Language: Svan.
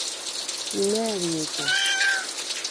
იმ’ა̄̈რი ეჯა?